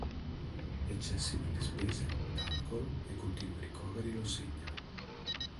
Eccessi nelle spese, d'alcool, e continui ricoveri lo segnano.